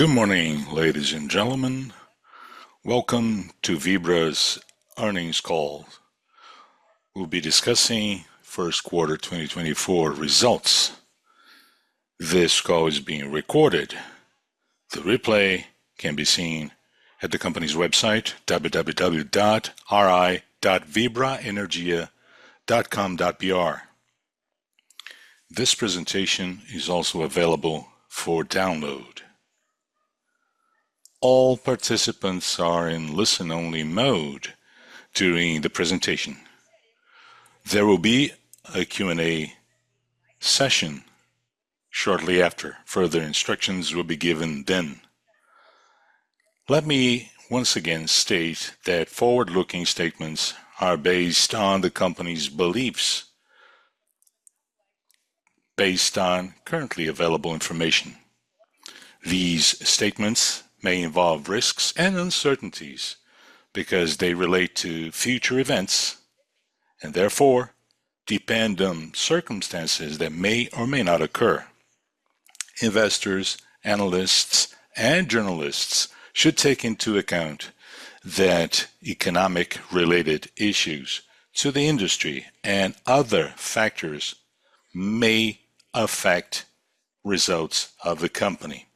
Good morning, ladies and gentlemen. Welcome to Vibra's earnings call. We'll be discussing first quarter 2024 results. This call is being recorded. The replay can be seen at the company's website, www.ri.vibraenergia.com.br. This presentation is also available for download. All participants are in listen-only mode during the presentation. There will be a Q&A session shortly after. Further instructions will be given then. Let me once again state that forward-looking statements are based on the company's beliefs, based on currently available information. These statements may involve risks and uncertainties because they relate to future events, and therefore depend on circumstances that may or may not occur. Investors, analysts, and journalists should take into account that economic-related issues to the industry and other factors may affect results of the company.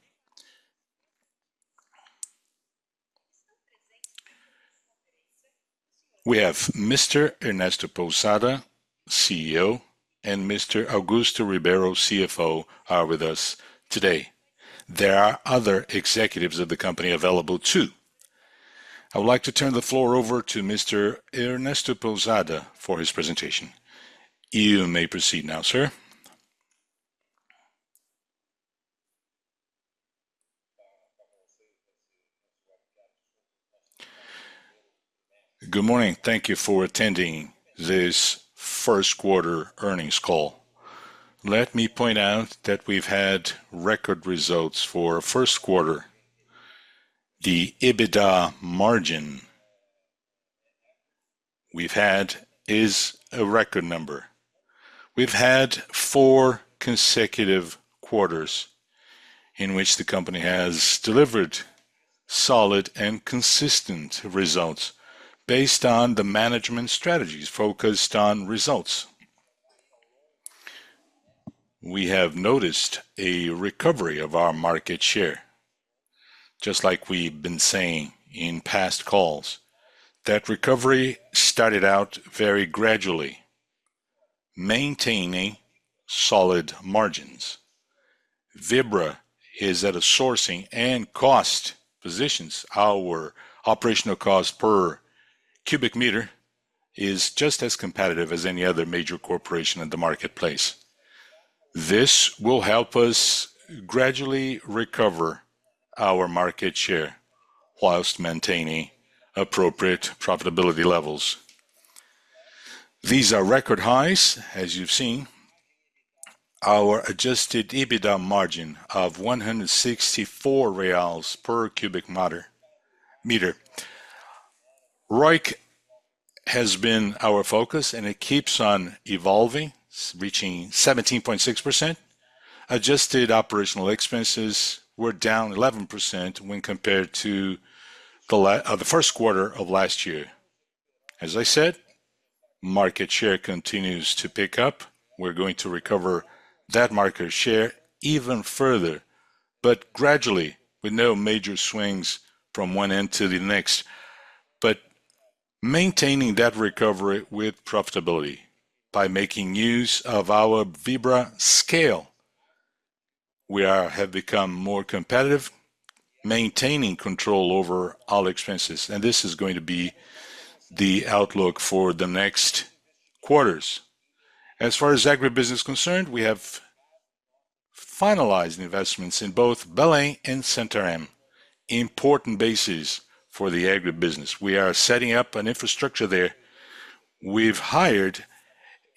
We have Mr. Ernesto Pousada, CEO, and Mr. Augusto Ribeiro, CFO, are with us today. There are other executives of the company available, too. I would like to turn the floor over to Mr. Ernesto Pousada for his presentation. You may proceed now, sir. Good morning. Thank you for attending this first quarter earnings call. Let me point out that we've had record results for first quarter. The EBITDA margin we've had is a record number. We've had four consecutive quarters in which the company has delivered solid and consistent results based on the management strategies focused on results. We have noticed a recovery of our market share, just like we've been saying in past calls. That recovery started out very gradually, maintaining solid margins. Vibra is at a sourcing and cost positions. Our operational cost per cubic meter is just as competitive as any other major corporation in the marketplace. This will help us gradually recover our market share while maintaining appropriate profitability levels. These are record highs, as you've seen. Our adjusted EBITDA margin of 164 reais per cubic meter. ROIC has been our focus, and it keeps on evolving, reaching 17.6%. Adjusted operational expenses were down 11% when compared to the first quarter of last year. As I said, market share continues to pick up. We're going to recover that market share even further, but gradually, with no major swings from one end to the next. But maintaining that recovery with profitability by making use of our Vibra scale, we are... have become more competitive, maintaining control over our expenses, and this is going to be the outlook for the next quarters. As far as agribusiness is concerned, we have finalized investments in both Belém and Santarém, important bases for the agribusiness. We are setting up an infrastructure there. We've hired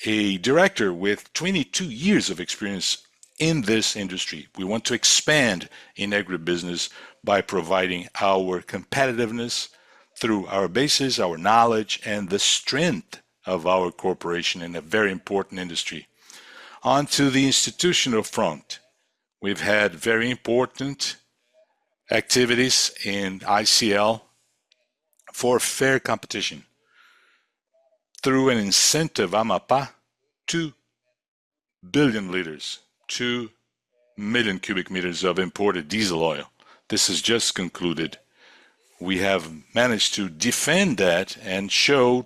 a director with 22 years of experience in this industry. We want to expand in agribusiness by providing our competitiveness through our bases, our knowledge, and the strength of our corporation in a very important industry. Onto the institutional front, we've had very important activities in ICL for fair competition. Through an incentive, Amapá, two billion L, two million cubic meters of imported diesel oil. This has just concluded. We have managed to defend that and show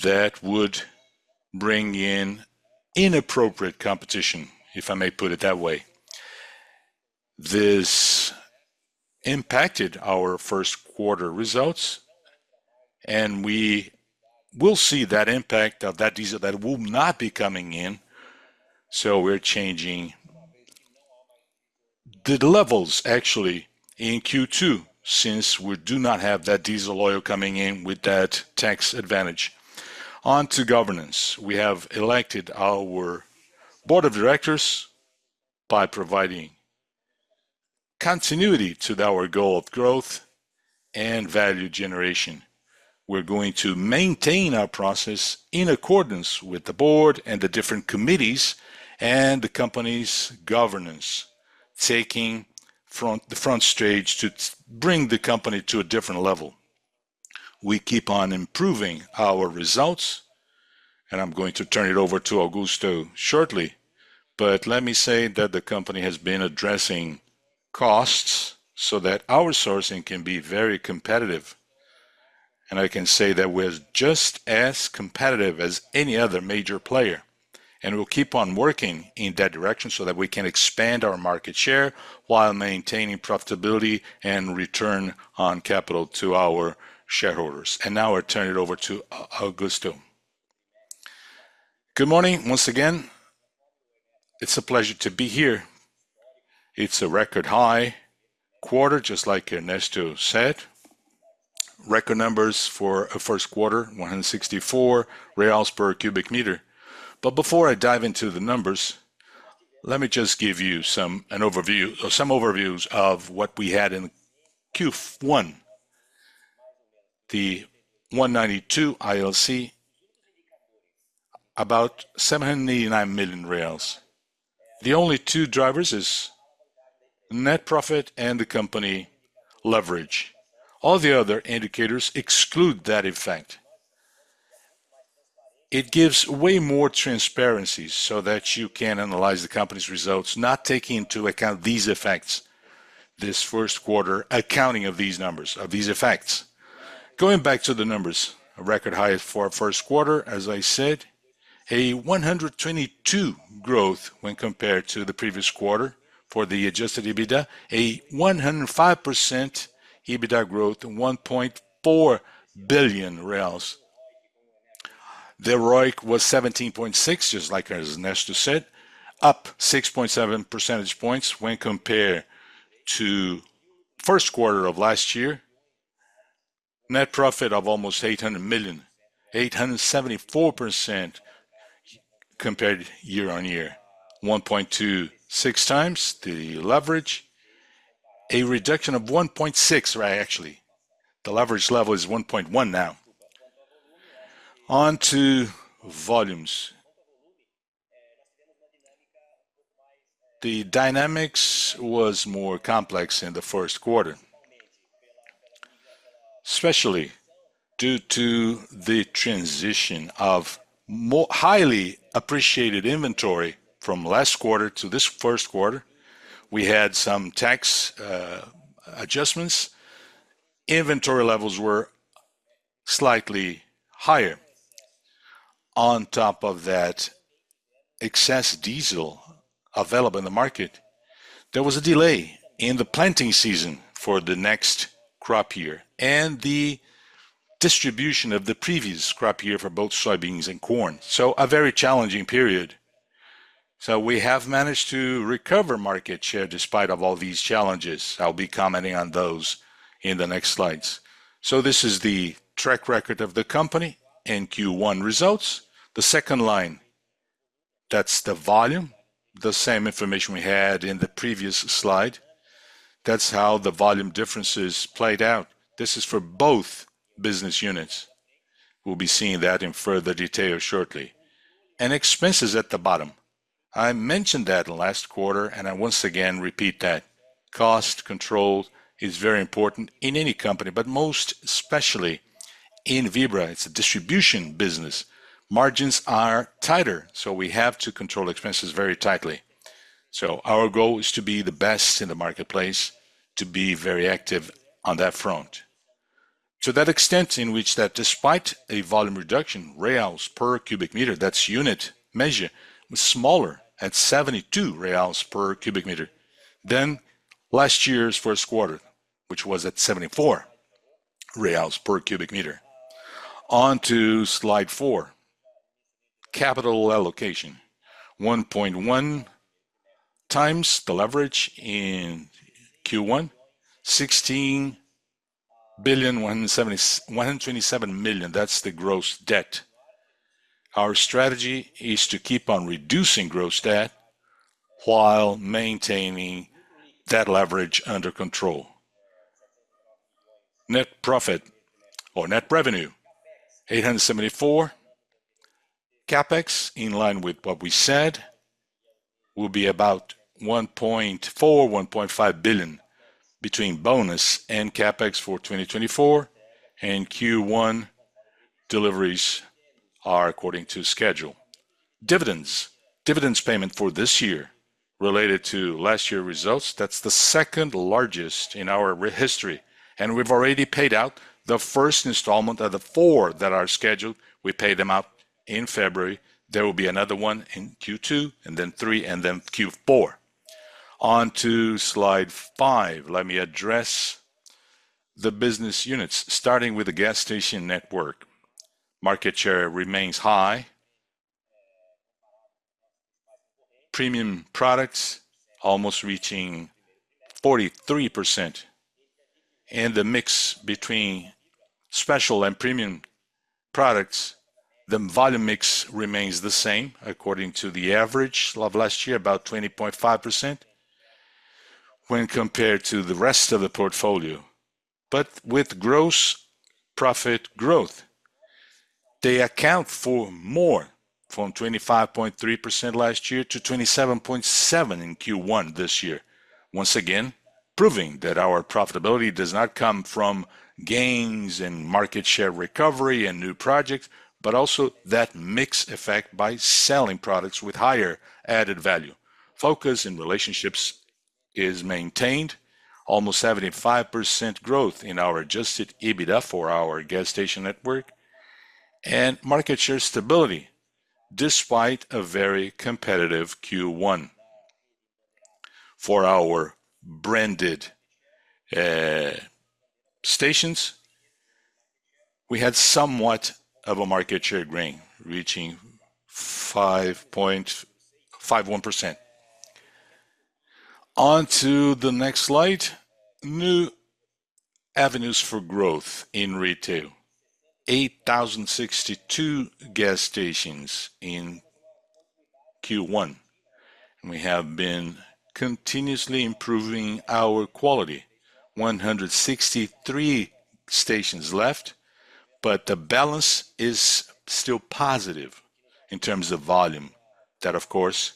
that would bring in inappropriate competition, if I may put it that way. This impacted our first quarter results, and we will see that impact of that diesel that will not be coming in, so we're changing the levels actually in Q2, since we do not have that diesel oil coming in with that tax advantage. On to governance. We have elected our board of directors by providing continuity to our goal of growth and value generation. We're going to maintain our process in accordance with the board and the different committees and the company's governance, taking the front stage to bring the company to a different level. We keep on improving our results, and I'm going to turn it over to Augusto shortly. But let me say that the company has been addressing costs so that our sourcing can be very competitive, and I can say that we're just as competitive as any other major player. And we'll keep on working in that direction so that we can expand our market share while maintaining profitability and return on capital to our shareholders. And now I turn it over to Augusto. Good morning once again. It's a pleasure to be here. It's a record high quarter, just like Ernesto said. Record numbers for a first quarter, 164 reals per cubic meter. But before I dive into the numbers, let me just give you some... an overview or some overviews of what we had in Q1. The LC 192, about 789 million reais. The only two drivers is net profit and the company leverage. All the other indicators exclude that effect. It gives way more transparency so that you can analyze the company's results, not taking into account these effects, this first quarter, accounting of these numbers, of these effects. Going back to the numbers, a record high for our first quarter, as I said, a 122 growth when compared to the previous quarter for the adjusted EBITDA, a 105% EBITDA growth, 1.4 billion. The ROIC was 17.6, just like as Ernesto said, up 6.7 percentage points when compared to first quarter of last year. Net profit of almost 800 million, 874% compared year-on-year. 1.26x the leverage. A reduction of 1.6, right, actually. The leverage level is 1.1 now. On to volumes. The dynamics was more complex in the first quarter, especially due to the transition of more highly appreciated inventory from last quarter to this first quarter. We had some tax adjustments. Inventory levels were slightly higher. On top of that, excess diesel available in the market, there was a delay in the planting season for the next crop year and the distribution of the previous crop year for both soybeans and corn. So a very challenging period. We have managed to recover market share despite of all these challenges. I'll be commenting on those in the next slides. This is the track record of the company and Q1 results. The second line, that's the volume, the same information we had in the previous slide. That's how the volume differences played out. This is for both business units. We'll be seeing that in further detail shortly. Expenses at the bottom. I mentioned that last quarter, and I once again repeat that cost control is very important in any company, but most especially in Vibra. It's a distribution business. Margins are tighter, so we have to control expenses very tightly. Our goal is to be the best in the marketplace, to be very active on that front. To that extent, in which that despite a volume reduction, BRL per cubic meter, that's unit measure, was smaller at 72 reais per cubic meter than last year's first quarter, which was at 74 reais per cubic meter. On to slide four, capital allocation. 1.1x the leverage in Q1, 16 billion, 127 million, that's the gross debt. Our strategy is to keep on reducing gross debt while maintaining debt leverage under control. Net profit or net revenue, 874. CapEx, in line with what we said, will be about 1.4-1.5 billion between bonus and CapEx for 2024, and Q1 deliveries are according to schedule. Dividends. Dividends payment for this year related to last year results, that's the second largest in our recent history, and we've already paid out the first installment of the 4 that are scheduled. We paid them out in February. There will be another one in Q2, and then three3, and then Q4. On to slide five. Let me address the business units, starting with the gas station network. Market share remains high. Premium products almost reaching 43%, and the mix between special and premium products, the volume mix remains the same according to the average of last year, about 20.5% when compared to the rest of the portfolio, but with gross profit growth. They account for more, from 25.3% last year to 27.7% in Q1 this year. Once again, proving that our profitability does not come from gains and market share recovery and new projects, but also that mix effect by selling products with higher added value. Focus and relationships is maintained. Almost 75% growth in our adjusted EBITDA for our gas station network, and market share stability, despite a very competitive Q1. For our branded stations, we had somewhat of a market share gain, reaching 5.51%. On to the next slide, new avenues for growth in retail. 8,062 gas stations in Q1, and we have been continuously improving our quality. 163 stations left, but the balance is still positive in terms of volume. That, of course,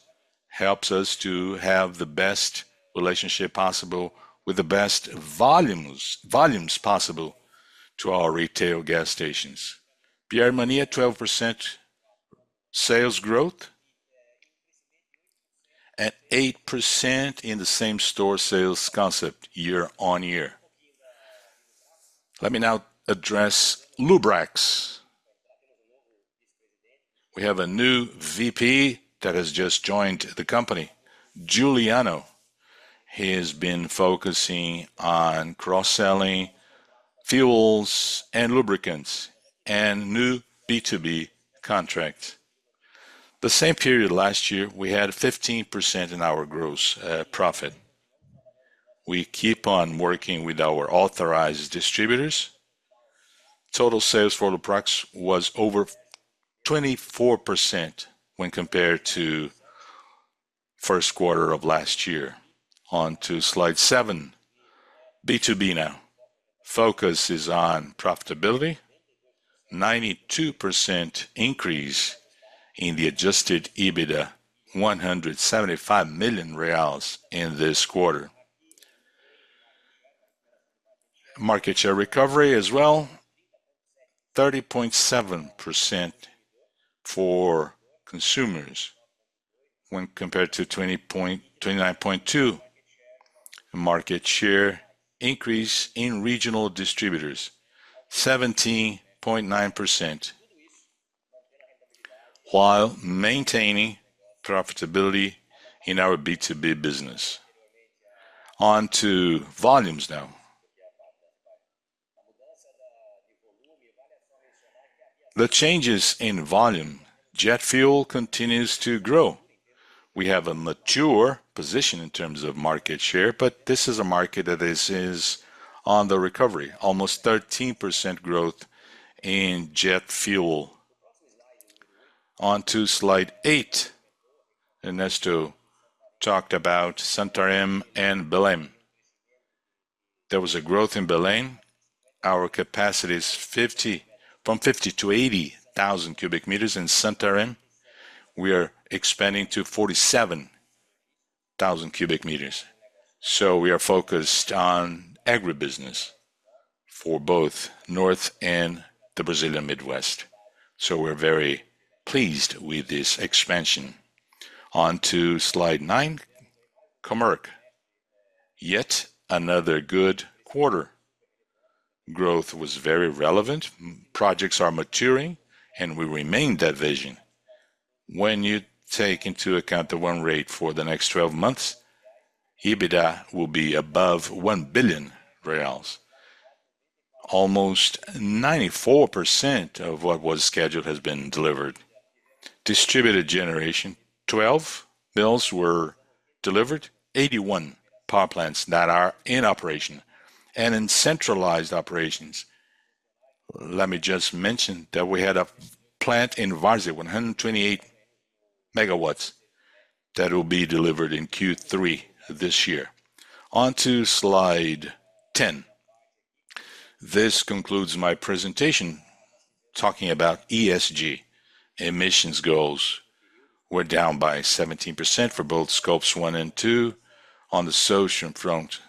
helps us to have the best relationship possible with the best volumes possible to our retail gas stations. Premmia, 12% sales growth and 8% in the same-store sales concept year-on-year. Let me now address Lubrax. We have a new VP that has just joined the company, Juliano. He has been focusing on cross-selling fuels and lubricants and new B2B contracts. The same period last year, we had 15% in our gross profit. We keep on working with our authorized distributors. Total sales for Lubrax was over 24% when compared to first quarter of last year. On to slide seven. B2B now. Focus is on profitability. 92% increase in the adjusted EBITDA, 175 million reais in this quarter. Market share recovery as well, 30.7% for consumers when compared to 29.2. Market share increase in regional distributors, 17.9%, while maintaining profitability in our B2B business. On to volumes now. The changes in volume, jet fuel continues to grow. We have a mature position in terms of market share, but this is a market that is, is on the recovery, almost 13% growth in jet fuel. On to slide eight. Ernesto talked about Santarém and Belém. There was a growth in Belém. Our capacity is 50, from 50 to 80 thousand cubic meters. In Santarém, we are expanding to 47,000 cubic meters. So we are focused on agribusiness for both North and the Brazilian Midwest, so we're very pleased with this expansion. On to slide nine, Comerc. Yet another good quarter. Growth was very relevant, projects are maturing, and we remain that vision. When you take into account the run rate for the next 12 months, EBITDA will be above 1 billion reais. Almost 94% of what was scheduled has been delivered. Distributed generation, 12 MWs were delivered, 81 power plants that are in operation. In centralized operations, let me just mention that we had a plant in Várzea, 128 megawatts, that will be delivered in Q3 this year. On to slide 10. This concludes my presentation talking about ESG. Emissions goals were down by 17% for both Scopes 1 and 2. On the social front,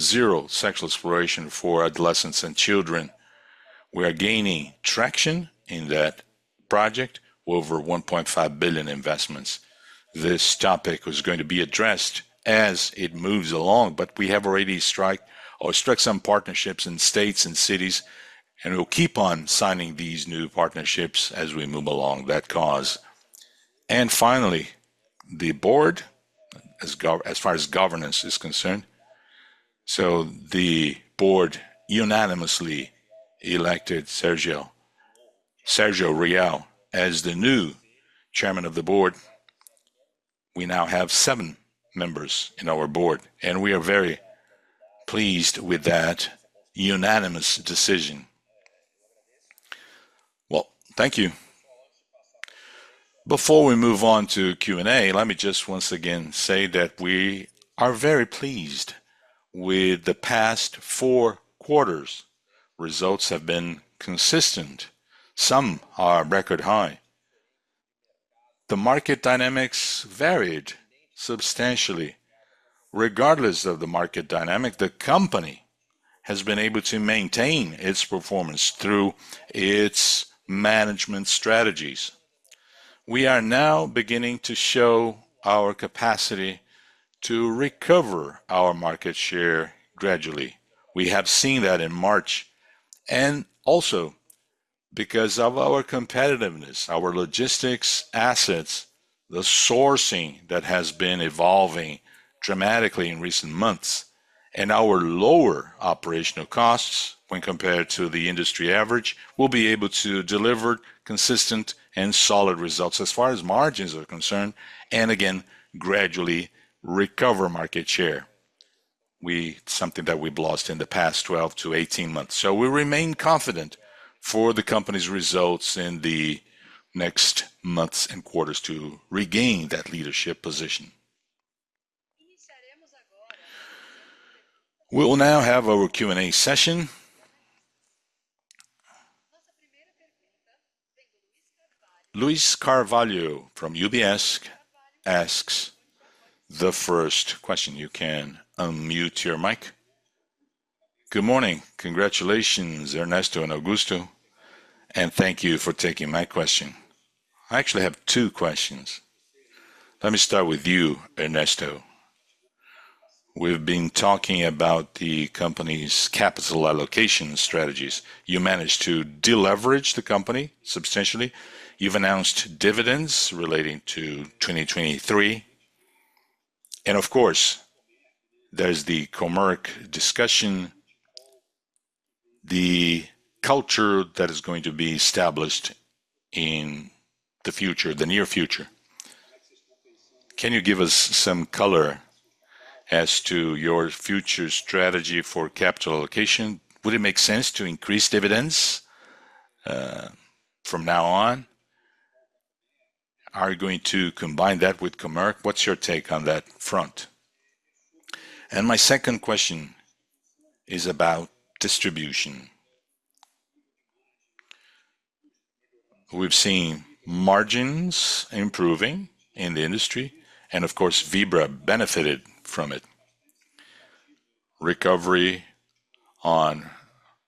zero sexual exploitation for adolescents and children. We are gaining traction in that project, over 1.5 billion investments. This topic is going to be addressed as it moves along, but we have already strike or struck some partnerships in states and cities, and we'll keep on signing these new partnerships as we move along that cause. Finally, the board, as far as governance is concerned, so the board unanimously elected Sérgio, Sérgio Rial, as the new Chairman of the Board. We now have seven members in our board, and we are very pleased with that unanimous decision. Well, thank you. Before we move on to Q&A, let me just once again say that we are very pleased with the past four quarters. Results have been consistent. Some are record high. The market dynamics varied substantially. Regardless of the market dynamic, the company has been able to maintain its performance through its management strategies. We are now beginning to show our capacity to recover our market share gradually. We have seen that in March, and also because of our competitiveness, our logistics assets, the sourcing that has been evolving dramatically in recent months, and our lower operational costs when compared to the industry average, we'll be able to deliver consistent and solid results as far as margins are concerned, and again, gradually recover market share. We—something that we've lost in the past 12-18 months. So we remain confident for the company's results in the next months and quarters to regain that leadership position. We will now have our Q&A session. Luiz Carvalho from UBS asks the first question. You can unmute your mic. Good morning. Congratulations, Ernesto and Augusto, and thank you for taking my question. I actually have two questions. Let me start with you, Ernesto. We've been talking about the company's capital allocation strategies. You managed to deleverage the company substantially. You've announced dividends relating to 2023, and of course, there's the Comerc discussion, the culture that is going to be established in the future, the near future. Can you give us some color as to your future strategy for capital allocation? Would it make sense to increase dividends from now on? Are you going to combine that with Comerc? What's your take on that front? And my second question is about distribution. We've seen margins improving in the industry, and of course, Vibra benefited from it. Recovery on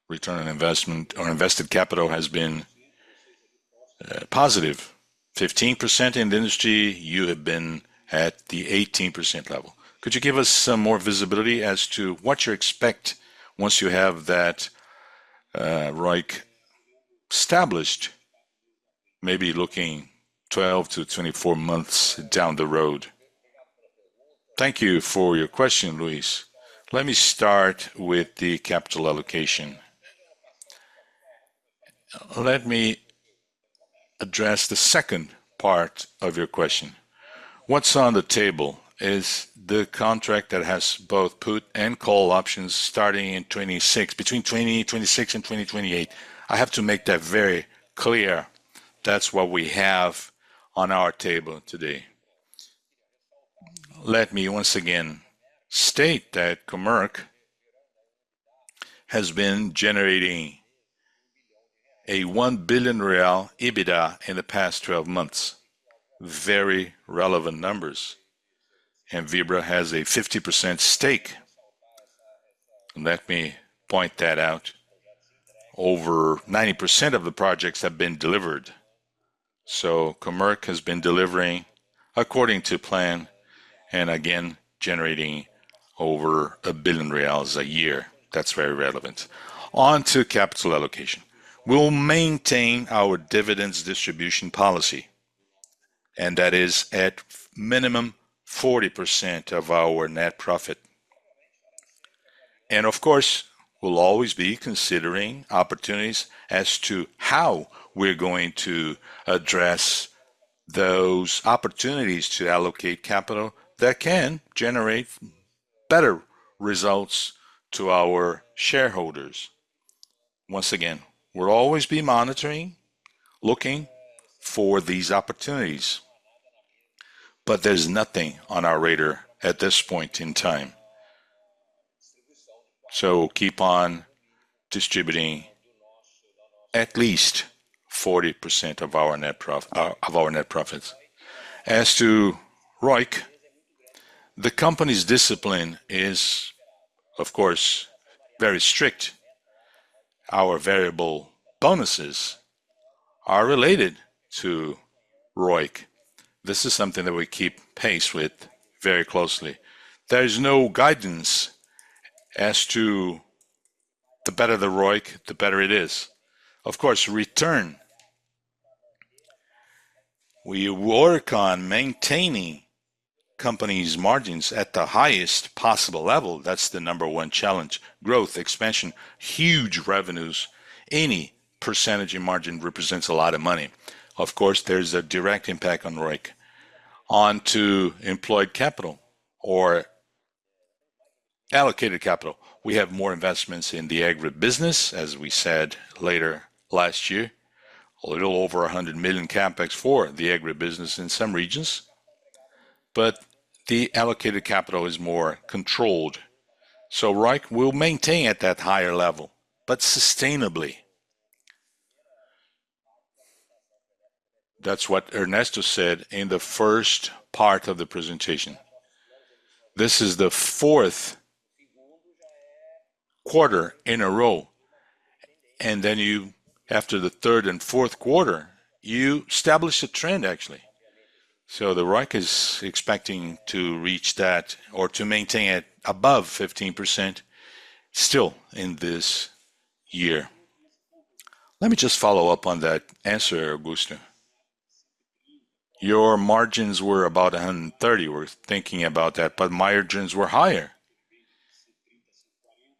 return on investment or invested capital has been positive. 15% in the industry, you have been at the 18% level. Could you give us some more visibility as to what you expect once you have that ROIC established, maybe looking 12-24 months down the road? Thank you for your question, Luiz. Let me start with the capital allocation. Let me address the second part of your question. What's on the table is the contract that has both put and call options starting in 2026, between 2026 and 2028. I have to make that very clear. That's what we have on our table today. Let me once again state that Comerc has been generating a 1 billion real EBITDA in the past 12 months. Very relevant numbers, and Vibra has a 50% stake. Let me point that out. Over 90% of the projects have been delivered, so Comerc has been delivering according to plan, and again, generating over 1 billion reais a year. That's very relevant. On to capital allocation. We'll maintain our dividends distribution policy, and that is at minimum 40% of our net profit. And of course, we'll always be considering opportunities as to how we're going to address those opportunities to allocate capital that can generate better results to our shareholders. Once again, we'll always be monitoring, looking for these opportunities, but there's nothing on our radar at this point in time. So keep on distributing at least 40% of our net profits. As to ROIC, the company's discipline is, of course, very strict. Our variable bonuses are related to ROIC. This is something that we keep pace with very closely. There is no guidance as to the better the ROIC, the better it is. Of course, return, we work on maintaining the company's margins at the highest possible level, that's the number one challenge. Growth, expansion, huge revenues, any percentage in margin represents a lot of money. Of course, there's a direct impact on ROIC. Onto employed capital or allocated capital. We have more investments in the agri business, as we said late last year. A little over 100 million CapEx for the agri business in some regions, but the allocated capital is more controlled. So ROIC will maintain at that higher level, but sustainably. That's what Ernesto said in the first part of the presentation. This is the fourth quarter in a row, and then you, after the third and fourth quarter, you establish a trend, actually. So the ROIC is expecting to reach that or to maintain it above 15% still in this year. Let me just follow up on that answer, Augusto. Your margins were about 130, we're thinking about that, but my margins were higher.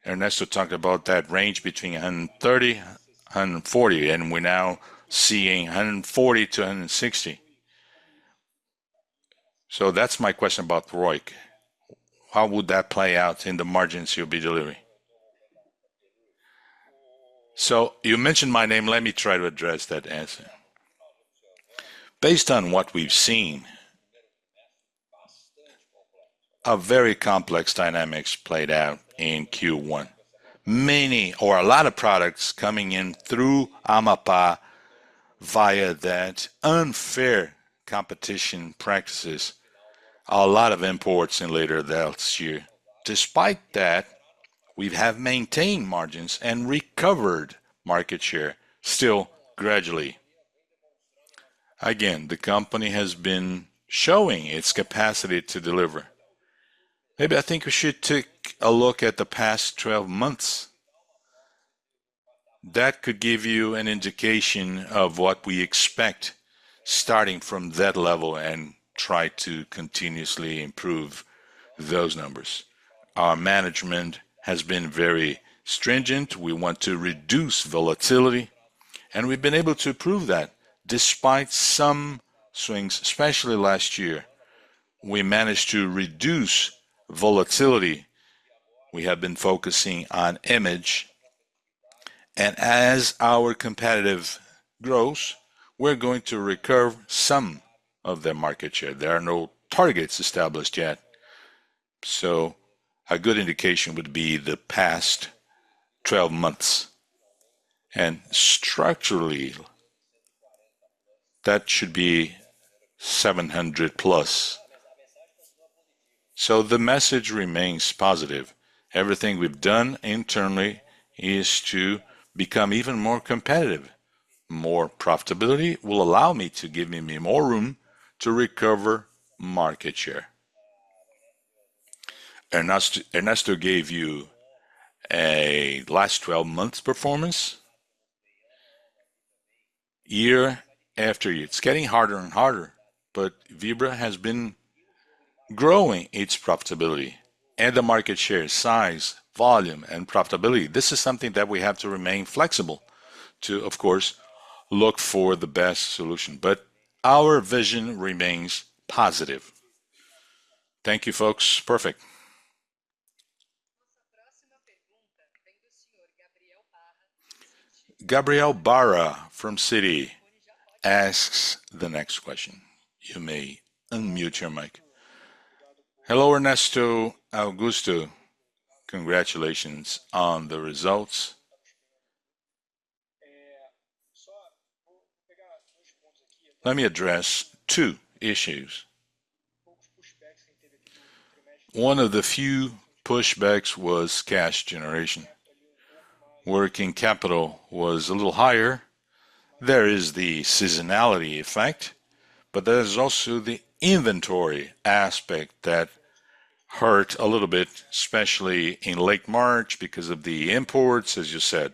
Ernesto talked about that range between 130 and 140, and we're now seeing 140-160. So that's my question about ROIC. How would that play out in the margins you'll be delivering? So you mentioned my name, let me try to address that answer. Based on what we've seen, a very complex dynamics played out in Q1. Many or a lot of products coming in through Amapá via that unfair competition practices, a lot of imports in later the last year. Despite that, we have maintained margins and recovered market share, still gradually. Again, the company has been showing its capacity to deliver. Maybe I think we should take a look at the past 12 months. That could give you an indication of what we expect, starting from that level and try to continuously improve those numbers. Our management has been very stringent. We want to reduce volatility, and we've been able to prove that despite some swings, especially last year, we managed to reduce volatility. We have been focusing on image, and as our competition grows, we're going to recoup some of their market share. There are no targets established yet, so a good indication would be the past 12 months. Structurally, that should be 700+. The message remains positive. Everything we've done internally is to become even more competitive. More profitability will allow me to give me more room to recover market share. Ernesto, Ernesto gave you a last 12 months performance. Year after year, it's getting harder and harder, but Vibra has been growing its profitability and the market share, size, volume, and profitability. This is something that we have to remain flexible to, of course, look for the best solution, but our vision remains positive. Thank you, folks. Perfect. Gabriel Barra from Citi asks the next question. You may unmute your mic. "Hello, Ernesto, Augusto. Congratulations on the results. Let me address two issues. One of the few pushbacks was cash generation. Working capital was a little higher. There is the seasonality effect, but there is also the inventory aspect that hurt a little bit, especially in late March, because of the imports, as you said.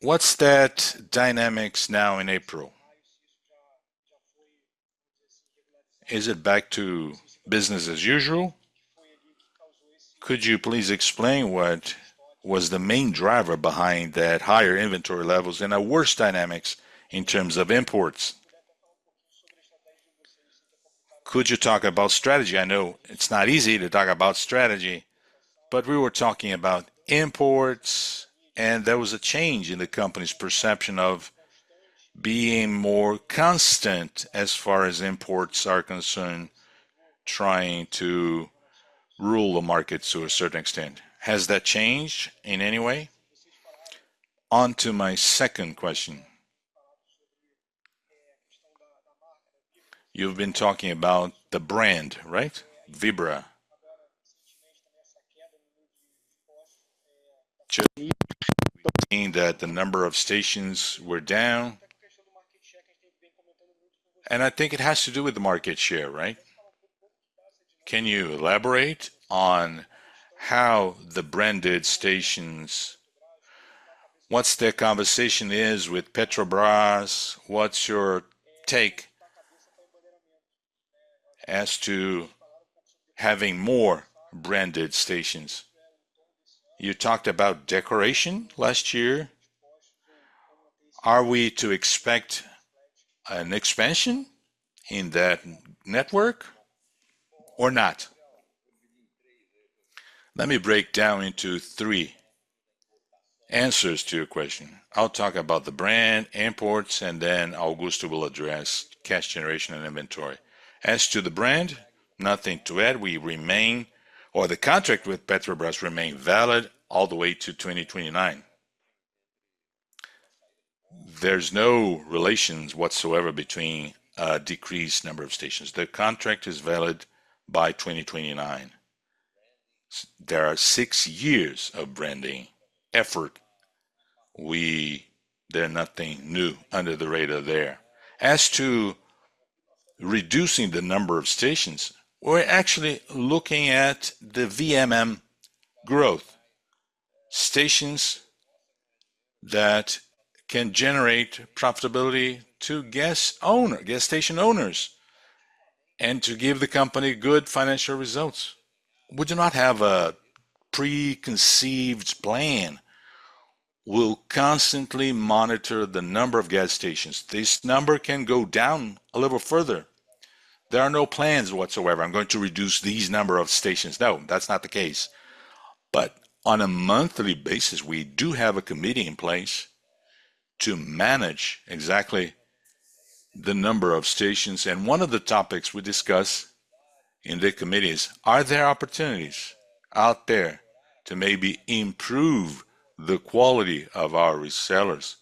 What's that dynamics now in April? Is it back to business as usual? Could you please explain what was the main driver behind that higher inventory levels and a worse dynamics in terms of imports? Could you talk about strategy? I know it's not easy to talk about strategy, but we were talking about imports, and there was a change in the company's perception of being more constant as far as imports are concerned, trying to rule the market to a certain extent. Has that changed in any way? On to my second question. You've been talking about the brand, right? Vibra. Just seeing that the number of stations were down, and I think it has to do with the market share, right? Can you elaborate on how the branded stations, what's their conversation is with Petrobras? What's your take as to having more branded stations? You talked about decoration last year. Are we to expect an expansion in that network or not? Let me break down into three answers to your question. I'll talk about the brand, imports, and then Augusto will address cash generation and inventory. As to the brand, nothing to add. We remain, or the contract with Petrobras remains valid all the way to 2029. There's no relations whatsoever between decreased number of stations. The contract is valid by 2029. There are 6 years of branding effort. There are nothing new under the radar there. As to reducing the number of stations, we're actually looking at the VMM growth. Stations that can generate profitability to gas owner, gas station owners, and to give the company good financial results. We do not have a preconceived plan. We'll constantly monitor the number of gas stations. This number can go down a little further. There are no plans whatsoever. "I'm going to reduce these number of stations." No, that's not the case. But on a monthly basis, we do have a committee in place to manage exactly the number of stations, and one of the topics we discuss in the committee is, are there opportunities out there to maybe improve the quality of our resellers,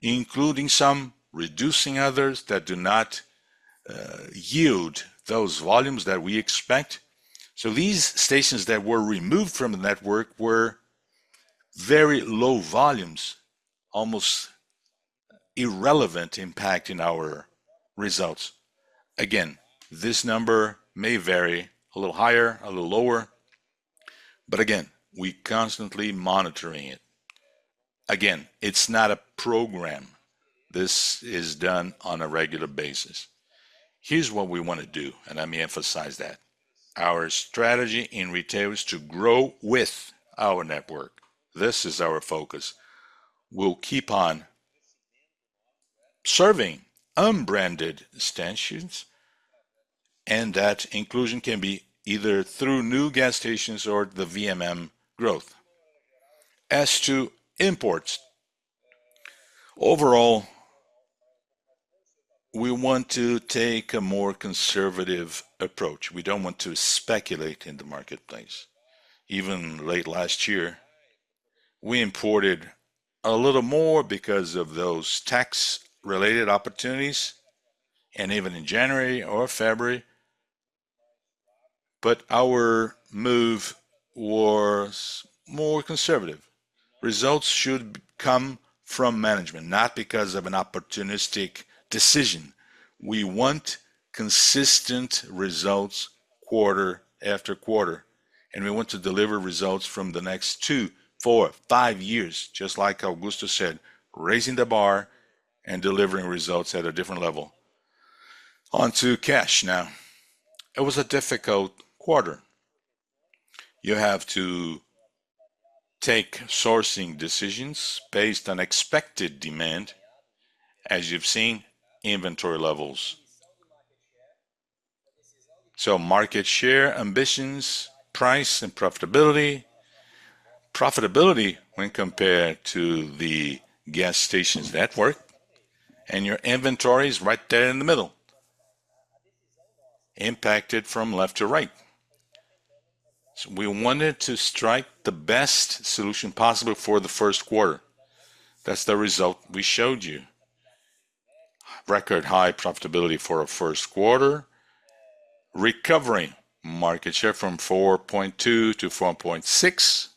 including some, reducing others that do not yield those volumes that we expect? So these stations that were removed from the network were very low volumes, almost irrelevant impact in our results. Again, this number may vary a little higher, a little lower, but again, we constantly monitoring it. Again, it's not a program. This is done on a regular basis. Here's what we want to do, and let me emphasize that: our strategy in retail is to grow with our network. This is our focus. We'll keep on serving unbranded stations, and that inclusion can be either through new gas stations or the VMM growth. As to imports, overall, we want to take a more conservative approach. We don't want to speculate in the marketplace. Even late last year, we imported a little more because of those tax-related opportunities, and even in January or February, but our move was more conservative. Results should come from management, not because of an opportunistic decision. We want consistent results quarter after quarter, and we want to deliver results from the next 2, 4, 5 years, just like Augusto said, "Raising the bar and delivering results at a different level." On to cash now. It was a difficult quarter. You have to take sourcing decisions based on expected demand, as you've seen inventory levels. So market share, ambitions, price, and profitability. Profitability when compared to the gas stations network, and your inventory is right there in the middle, impacted from left to right. So we wanted to strike the best solution possible for the first quarter. That's the result we showed you. Record high profitability for a first quarter, recovering market share from 4.2 to 4.6.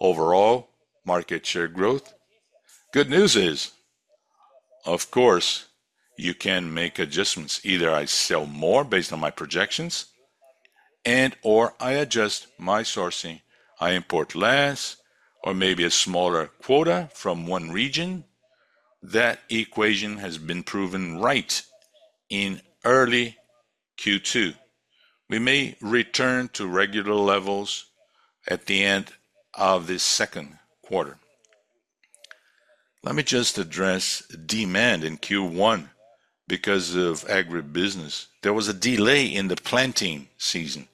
Overall, market share growth. Good news is, of course, you can make adjustments. Either I sell more based on my projections, and/or I adjust my sourcing. I import less or maybe a smaller quota from one region. That equation has been proven right in early Q2. We may return to regular levels at the end of this second quarter. Let me just address demand in Q1 because of agribusiness. There was a delay in the planting season,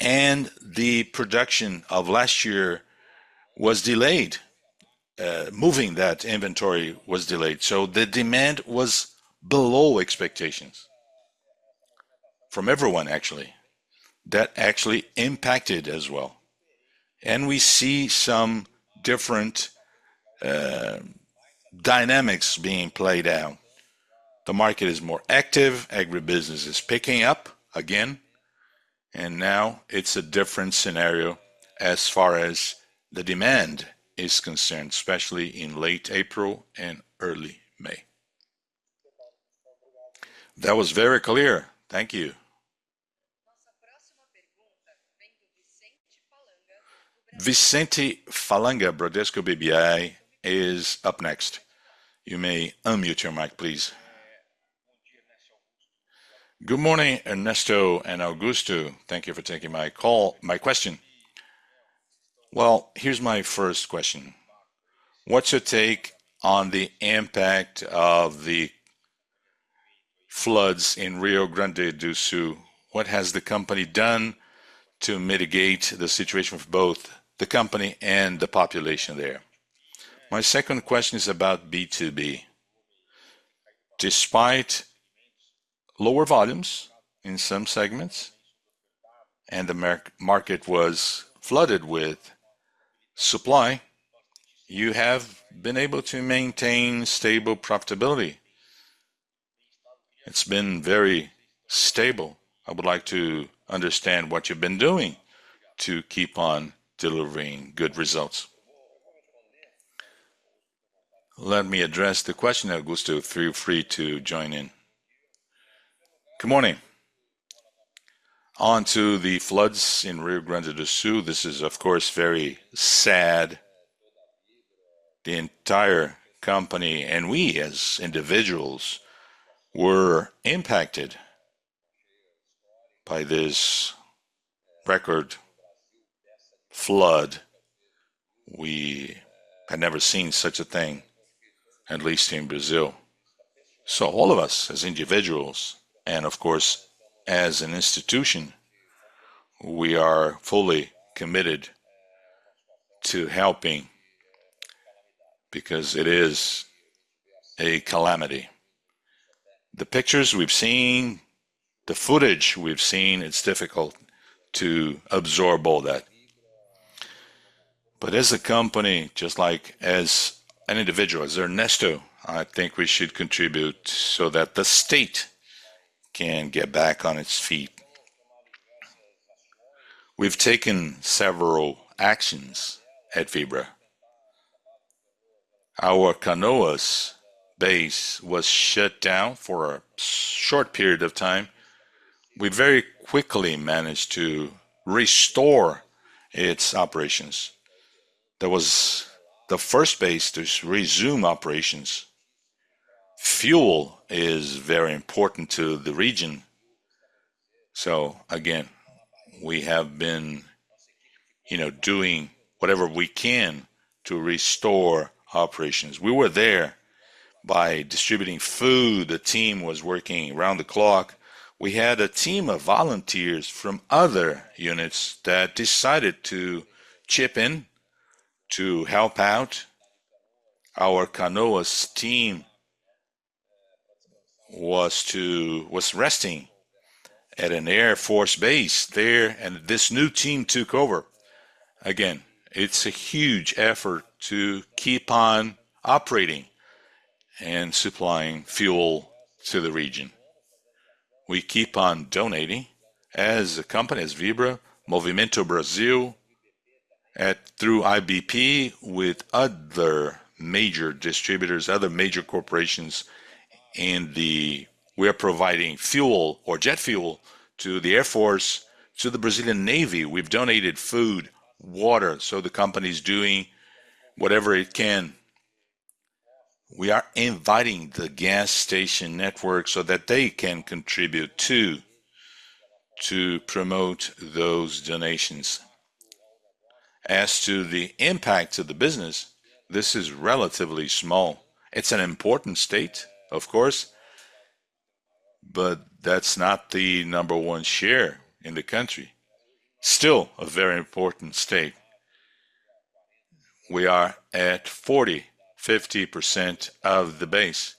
and the production of last year was delayed. Moving that inventory was delayed, so the demand was below expectations from everyone, actually. That actually impacted as well, and we see some different dynamics being played out. The market is more active, agribusiness is picking up again, and now it's a different scenario as far as the demand is concerned, especially in late April and early May... That was very clear. Thank you. Vicente Falanga, Bradesco BBI, is up next. You may unmute your mic, please. Good morning, Ernesto and Augusto. Thank you for taking my call, my question. Well, here's my first question: What's your take on the impact of the floods in Rio Grande do Sul? What has the company done to mitigate the situation for both the company and the population there? My second question is about B2B. Despite lower volumes in some segments, and the market was flooded with supply, you have been able to maintain stable profitability. It's been very stable. I would like to understand what you've been doing to keep on delivering good results. Let me address the question, Augusto. Feel free to join in. Good morning. Onto the floods in Rio Grande do Sul, this is, of course, very sad. The entire company, and we as individuals, were impacted by this record flood. We had never seen such a thing, at least in Brazil. So all of us, as individuals, and of course, as an institution, we are fully committed to helping because it is a calamity. The pictures we've seen, the footage we've seen, it's difficult to absorb all that. But as a company, just like as an individual, as Ernesto, I think we should contribute so that the state can get back on its feet. We've taken several actions at Vibra. Our Canoas base was shut down for a short period of time. We very quickly managed to restore its operations. That was the first base to resume operations. Fuel is very important to the region. So again, we have been, you know, doing whatever we can to restore operations. We were there by distributing food. The team was working around the clock. We had a team of volunteers from other units that decided to chip in to help out. Our Canoas team was resting at an Air Force base there, and this new team took over. Again, it's a huge effort to keep on operating and supplying fuel to the region. We keep on donating as a company, as Vibra, Movimento Brasil, at through IBP, with other major distributors, other major corporations, and the, we are providing fuel or jet fuel to the Air Force, to the Brazilian Navy. We've donated food, water, so the company's doing whatever it can. We are inviting the gas station network so that they can contribute, too, to promote those donations. As to the impact to the business, this is relatively small. It's an important state, of course, but that's not the number one share in the country. Still, a very important state. We are at 40%-50% of the base.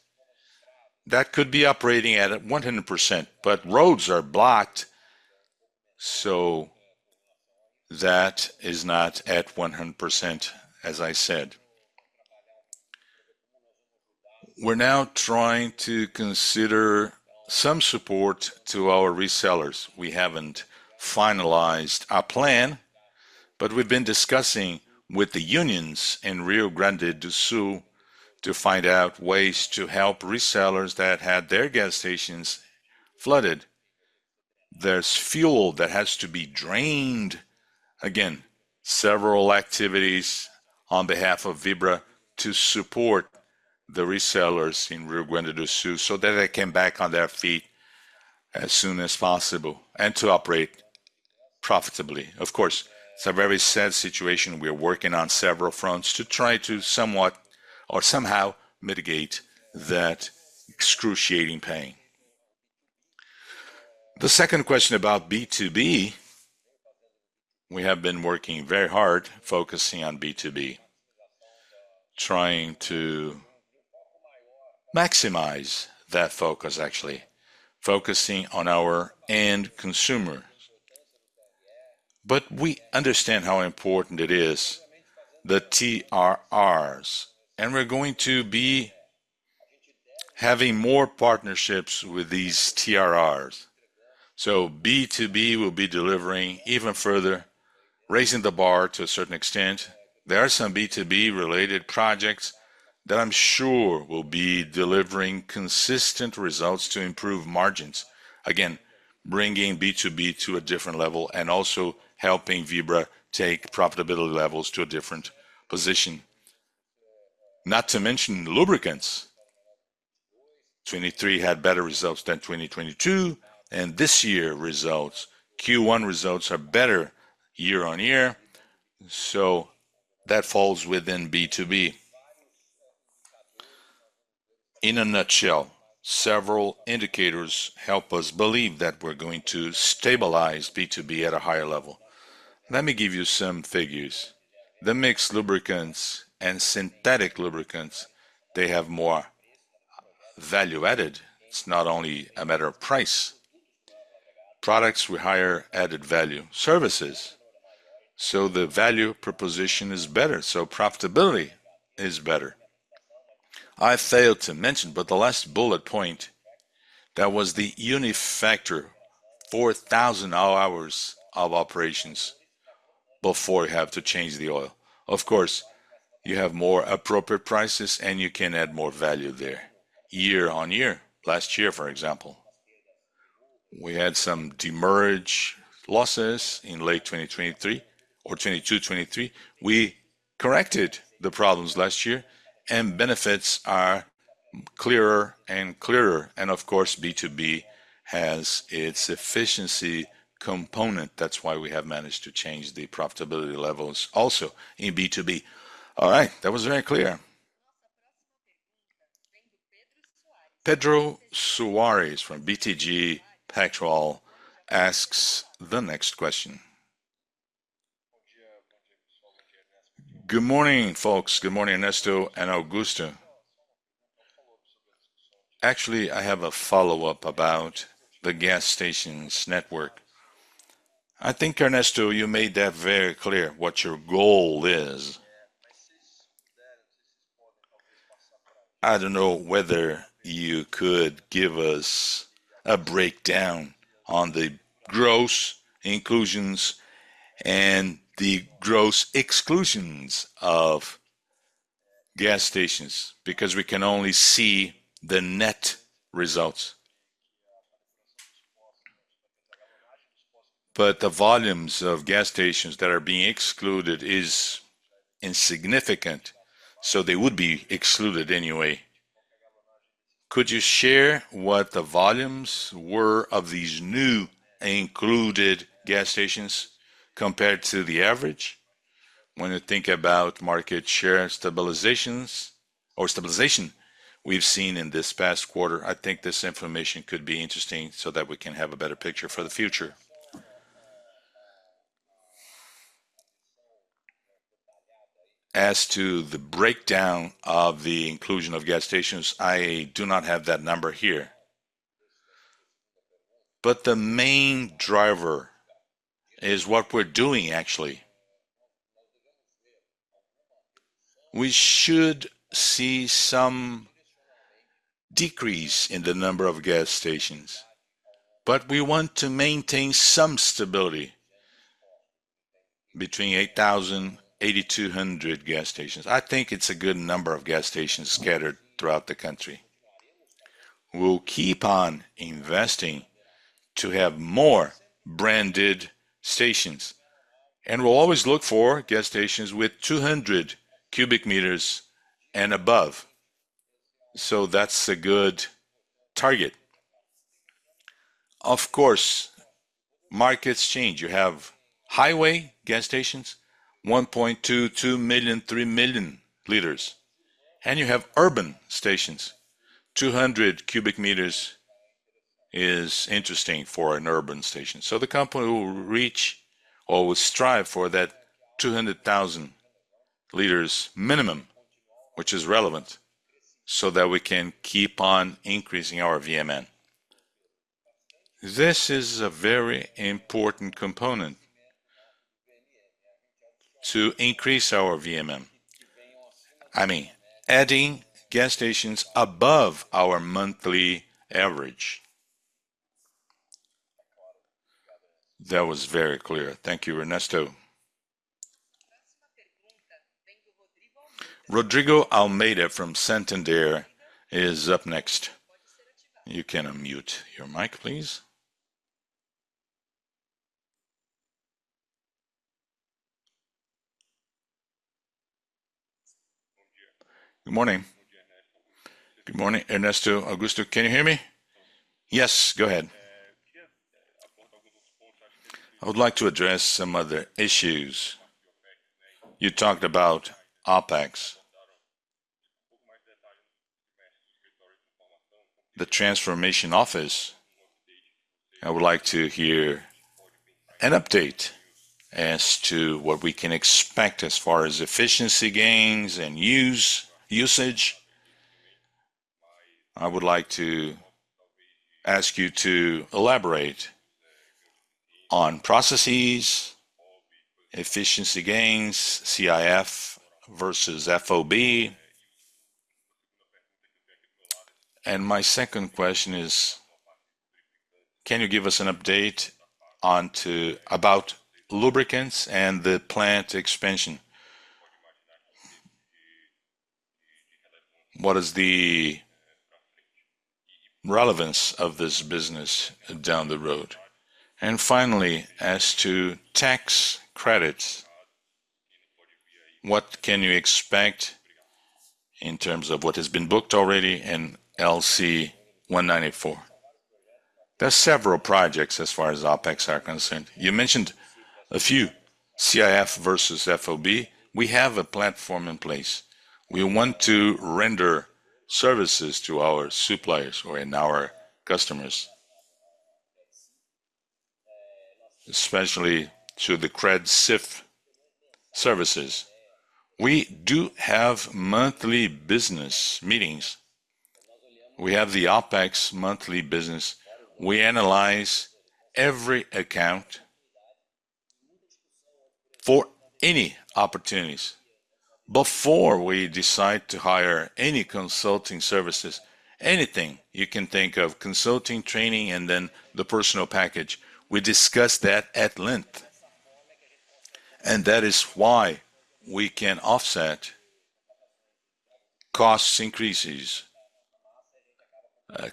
That could be operating at 100%, but roads are blocked, so that is not at 100%, as I said. We're now trying to consider some support to our resellers. We haven't finalized our plan, but we've been discussing with the unions in Rio Grande do Sul to find out ways to help resellers that had their gas stations flooded. There's fuel that has to be drained. Again, several activities on behalf of Vibra to support the resellers in Rio Grande do Sul, so that they come back on their feet as soon as possible and to operate profitably. Of course, it's a very sad situation. We are working on several fronts to try to somewhat or somehow mitigate that excruciating pain. The second question about B2B, we have been working very hard, focusing on B2B, trying to maximize that focus, actually, focusing on our end consumer. But we understand how important it is, the TRRs, and we're going to be having more partnerships with these TRRs.... So B2B will be delivering even further, raising the bar to a certain extent. There are some B2B related projects that I'm sure will be delivering consistent results to improve margins. Again, bringing B2B to a different level and also helping Vibra take profitability levels to a different position. Not to mention lubricants, 2023 had better results than 2022, and this year results, Q1 results, are better year-on-year, so that falls within B2B. In a nutshell, several indicators help us believe that we're going to stabilize B2B at a higher level. Let me give you some figures. The mixed lubricants and synthetic lubricants, they have more value added. It's not only a matter of price. Products with higher added value, services, so the value proposition is better, so profitability is better. I failed to mention, but the last bullet point, that was the Unitractor, 4,000 hours of operations before you have to change the oil. Of course, you have more appropriate prices, and you can add more value there. Year-on-year, last year, for example, we had some demurrage losses in late 2023 or 2022, 2023. We corrected the problems last year, and benefits are clearer and clearer. Of course, B2B has its efficiency component. That's why we have managed to change the profitability levels also in B2B. All right, that was very clear. Pedro Soares from BTG Pactual asks the next question. Good morning, folks. Good morning, Ernesto and Augusto. Actually, I have a follow-up about the gas stations network. I think, Ernesto, you made that very clear what your goal is. I don't know whether you could give us a breakdown on the gross inclusions and the gross exclusions of gas stations, because we can only see the net results. But the volumes of gas stations that are being excluded is insignificant, so they would be excluded anyway. Could you share what the volumes were of these new included gas stations compared to the average? When you think about market share stabilizations or stabilization we've seen in this past quarter, I think this information could be interesting so that we can have a better picture for the future. As to the breakdown of the inclusion of gas stations, I do not have that number here. But the main driver is what we're doing, actually. We should see some decrease in the number of gas stations, but we want to maintain some stability between 8,000-8,200 gas stations. I think it's a good number of gas stations scattered throughout the country. We'll keep on investing to have more branded stations, and we'll always look for gas stations with 200 cubic meters and above, so that's a good target. Of course, markets change. You have highway gas stations, 1.2, 2 million, 3 million liters, and you have urban stations. 200 cubic meters is interesting for an urban station. The company will reach or will strive for that 200,000 liters minimum, which is relevant, so that we can keep on increasing our VMM. This is a very important component to increase our VMM. I mean, adding gas stations above our monthly average. That was very clear. Thank you, Ernesto. Rodrigo Almeida from Santander is up next. You can unmute your mic, please. Good morning. Good morning, Ernesto. Augusto, can you hear me? Yes, go ahead. I would like to address some other issues. You talked about OpEx, the transformation office. I would like to hear an update as to what we can expect as far as efficiency gains and use, usage. I would like to ask you to elaborate on processes, efficiency gains, CIF versus FOB. And my second question is, can you give us an update onto about lubricants and the plant expansion? What is the relevance of this business down the road? And finally, as to tax credits, what can you expect in terms of what has been booked already in LC 194? There are several projects as far as OpEx are concerned. You mentioned a few, CIF versus FOB. We have a platform in place. We want to render services to our suppliers or and our customers, especially to the credit CIF services. We do have monthly business meetings. We have the OpEx monthly business. We analyze every account for any opportunities before we decide to hire any consulting services, anything you can think of, consulting, training, and then the personnel package. We discuss that at length, and that is why we can offset cost increases,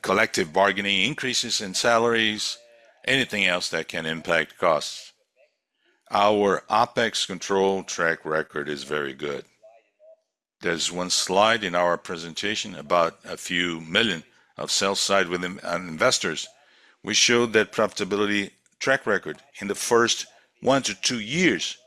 collective bargaining increases in salaries, anything else that can impact costs. Our OpEx control track record is very good. There's one slide in our presentation about BRL a few million of sell-side within investors. We showed that profitability track record in the first 1-2 years.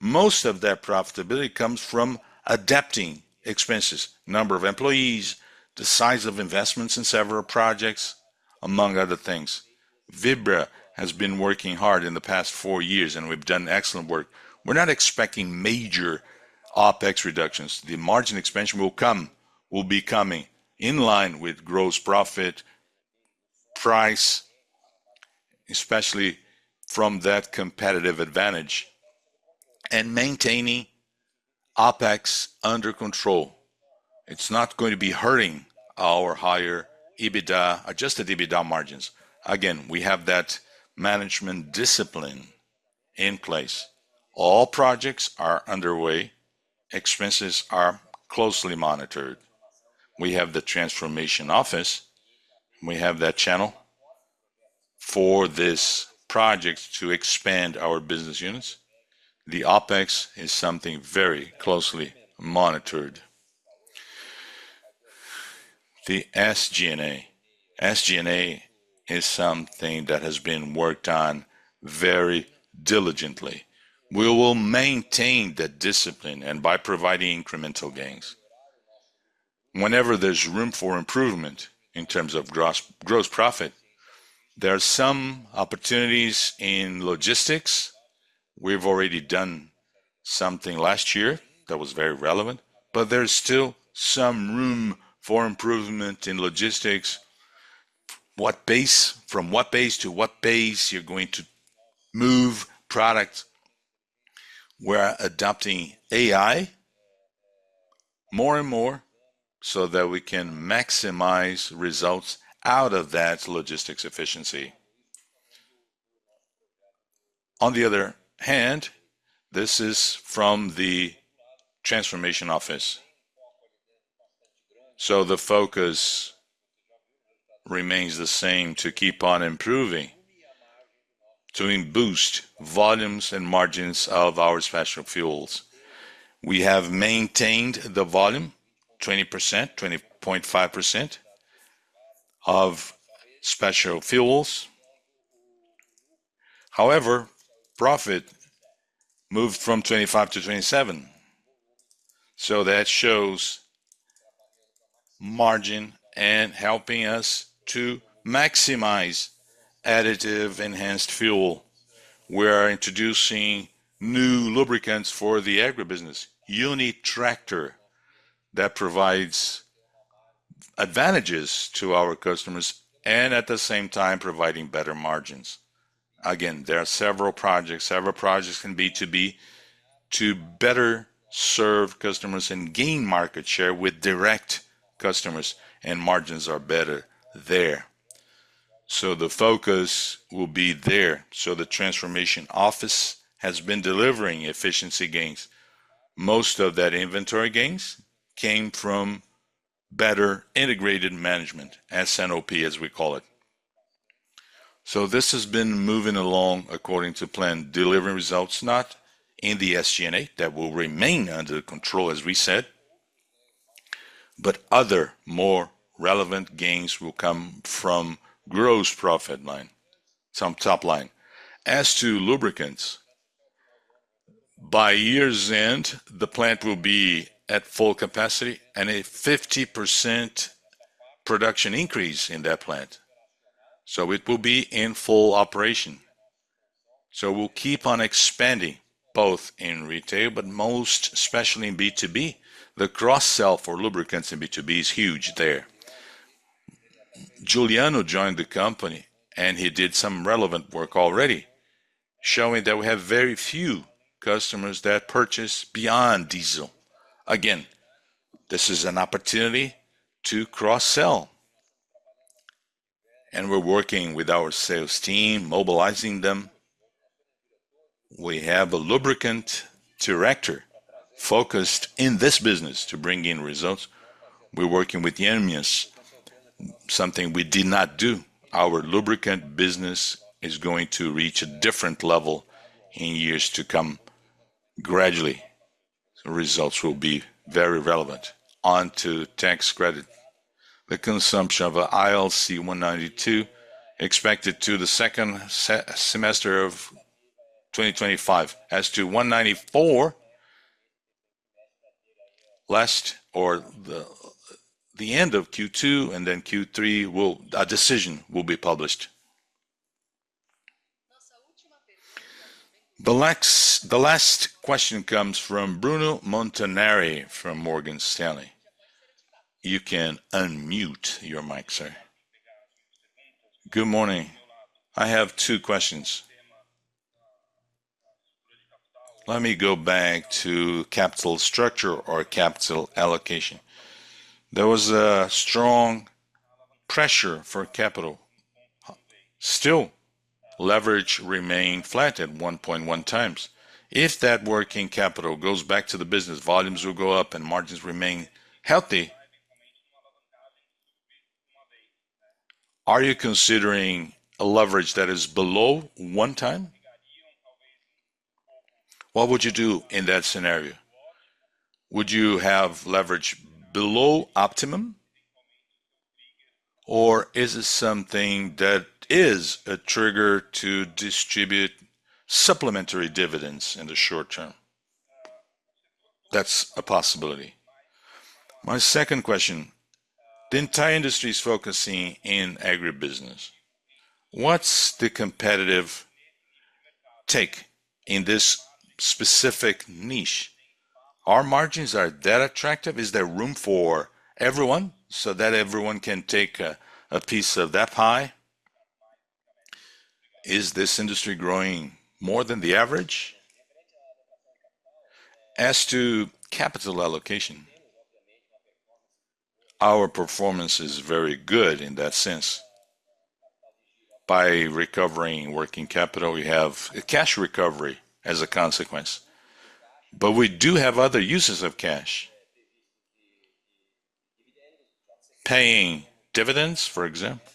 Most of that profitability comes from adapting expenses, number of employees, the size of investments in several projects, among other things. Vibra has been working hard in the past 4 years, and we've done excellent work. We're not expecting major OpEx reductions. The margin expansion will come, will be coming in line with gross profit, price, especially from that competitive advantage and maintaining OpEx under control. It's not going to be hurting our higher EBITDA, adjusted EBITDA margins. Again, we have that management discipline in place. All projects are underway. Expenses are closely monitored. We have the transformation office, we have that channel for this project to expand our business units. The OpEx is something very closely monitored. The SG&A. SG&A is something that has been worked on very diligently. We will maintain that discipline and by providing incremental gains. Whenever there's room for improvement in terms of gross, gross profit, there are some opportunities in logistics. We've already done something last year that was very relevant, but there's still some room for improvement in logistics. What base? From what base to what base you're going to move product. We're adopting AI more and more so that we can maximize results out of that logistics efficiency. On the other hand, this is from the transformation office, so the focus remains the same to keep on improving, to boost volumes and margins of our special fuels. We have maintained the volume, 20%, 20.5% of special fuels. However, profit moved from 25 to 27, so that shows margin and helping us to maximize additive enhanced fuel. We are introducing new lubricants for the agribusiness, Unitractor, that provides advantages to our customers and at the same time providing better margins. Again, there are several projects. Several projects can be to be to better serve customers and gain market share with direct customers, and margins are better there. So the focus will be there. So the transformation office has been delivering efficiency gains. Most of that inventory gains came from better integrated management, S&OP, as we call it. So this has been moving along according to plan, delivering results, not in the SG&A. That will remain under control, as we said, but other more relevant gains will come from gross profit line, some top line. As to lubricants, by year's end, the plant will be at full capacity and a 50% production increase in that plant, so it will be in full operation. We'll keep on expanding, both in retail, but most especially in B2B. The cross sell for lubricants in B2B is huge there. Juliano joined the company, and he did some relevant work already, showing that we have very few customers that purchase beyond diesel. Again, this is an opportunity to cross-sell, and we're working with our sales team, mobilizing them. We have a lubricant director focused in this business to bring in results. We're working with the OEMs, something we did not do. Our lubricant business is going to reach a different level in years to come. Gradually, the results will be very relevant. On to tax credit. The consumption of LC 192, expected to the second semester of 2025. As to LC 194, latter, the end of Q2 and then Q3 will, a decision will be published. The last question comes from Bruno Montanari from Morgan Stanley. You can unmute your mic, sir. Good morning. I have two questions. Let me go back to capital structure or capital allocation. There was a strong pressure for capital. Still, leverage remained flat at 1.1x. If that working capital goes back to the business, volumes will go up and margins remain healthy, are you considering a leverage that is below 1x? What would you do in that scenario? Would you have leverage below optimum, or is it something that is a trigger to distribute supplementary dividends in the short term? That's a possibility. My second question: the entire industry is focusing in agribusiness. What's the competitive take in this specific niche? Are margins, are that attractive? Is there room for everyone, so that everyone can take a, a piece of that pie? Is this industry growing more than the average? As to capital allocation, our performance is very good in that sense. By recovering working capital, we have a cash recovery as a consequence, but we do have other uses of cash. Paying dividends, for example.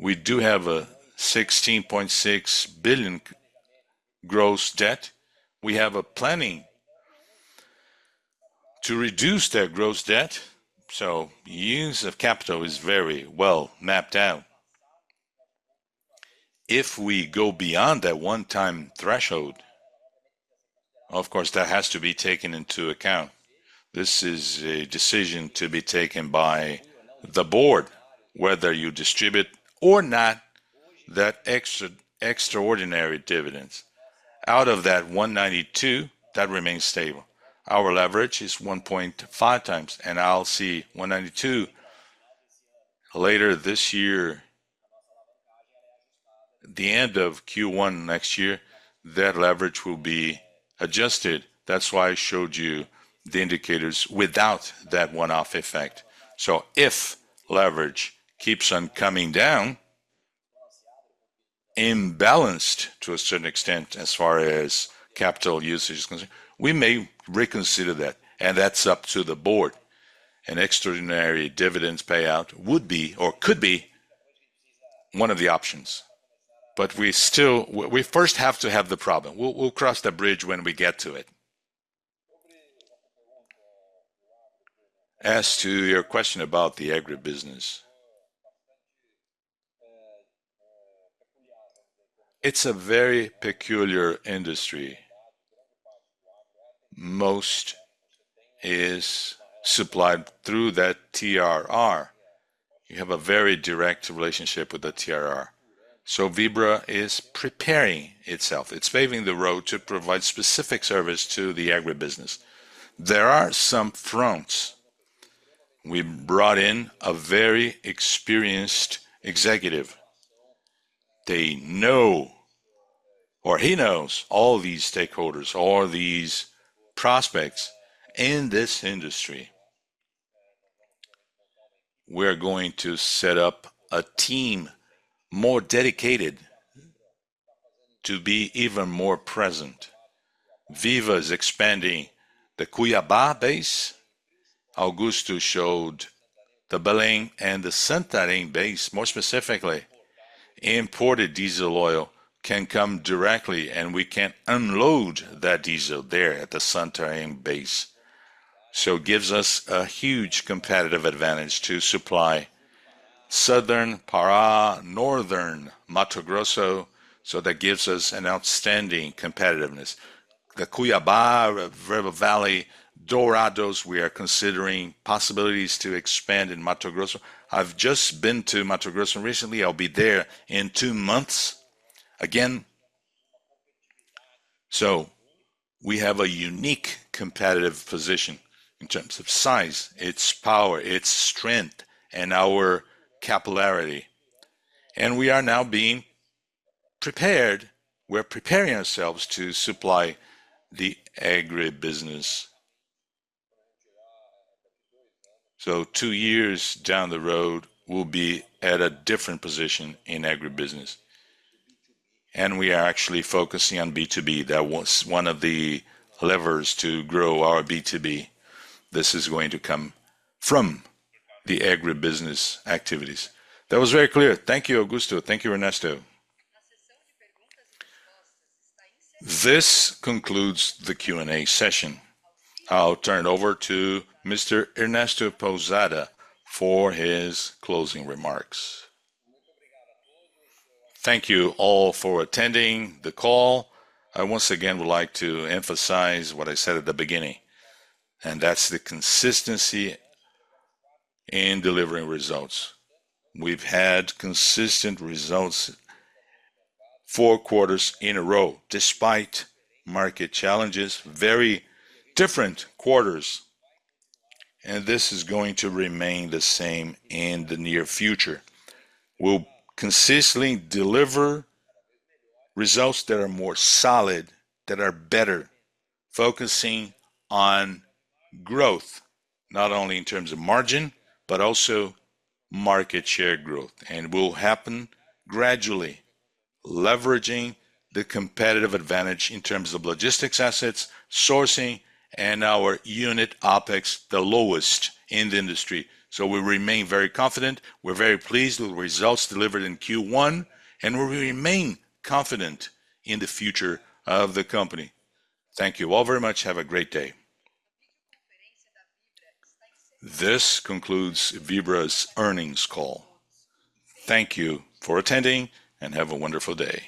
We do have a 16.6 billion gross debt. We have a planning to reduce that gross debt, so use of capital is very well mapped out. If we go beyond that one-time threshold, of course, that has to be taken into account. This is a decision to be taken by the board, whether you distribute or not, that extraordinary dividends. Out of that 1.92, that remains stable. Our leverage is 1.5 times, and we'll see 1.92 later this year. The end of Q1 next year, that leverage will be adjusted. That's why I showed you the indicators without that one-off effect. So if leverage keeps on coming down, imbalanced to a certain extent as far as capital usage is concerned, we may reconsider that, and that's up to the board. An extraordinary dividends payout would be or could be one of the options. But we still... We, we first have to have the problem. We'll, we'll cross that bridge when we get to it. As to your question about the agribusiness, it's a very peculiar industry. Most is supplied through that TRR. You have a very direct relationship with the TRR. So Vibra is preparing itself. It's paving the road to provide specific service to the agribusiness. There are some fronts. We brought in a very experienced executive. They know, or he knows all these stakeholders or these prospects in this industry. We're going to set up a team more dedicated to be even more present. Vibra is expanding the Cuiabá base. Augusto showed the Belém and the Santarém base, more specifically. Imported diesel oil can come directly, and we can unload that diesel there at the Santarém base. So it gives us a huge competitive advantage to supply southern Pará, northern Mato Grosso, so that gives us an outstanding competitiveness. The Cuiabá, Porto Velho, Dourados, we are considering possibilities to expand in Mato Grosso. I've just been to Mato Grosso recently. I'll be there in two months. So we have a unique competitive position in terms of size, its power, its strength, and our capillarity, and we are now being prepared. We're preparing ourselves to supply the agribusiness. So two years down the road, we'll be at a different position in agribusiness, and we are actually focusing on B2B. That was one of the levers to grow our B2B. This is going to come from the agribusiness activities. That was very clear. Thank you, Augusto. Thank you, Ernesto. This concludes the Q&A session. I'll turn it over to Mr. Ernesto Pousada for his closing remarks. Thank you all for attending the call. I once again would like to emphasize what I said at the beginning, and that's the consistency in delivering results. We've had consistent results four quarters in a row, despite market challenges, very different quarters, and this is going to remain the same in the near future. We'll consistently deliver results that are more solid, that are better, focusing on growth, not only in terms of margin, but also market share growth. And will happen gradually, leveraging the competitive advantage in terms of logistics assets, sourcing, and our unit OpEx, the lowest in the industry. So we remain very confident. We're very pleased with the results delivered in Q1, and we remain confident in the future of the company. Thank you all very much. Have a great day. This concludes Vibra's earnings call. Thank you for attending, and have a wonderful day.